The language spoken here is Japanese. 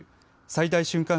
最大瞬間